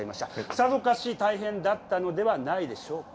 さぞかし大変だったのではないでしょうか。